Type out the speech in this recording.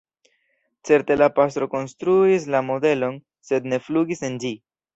Certe la pastro konstruis la modelon, sed ne flugis en ĝi.